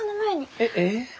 えっええっ？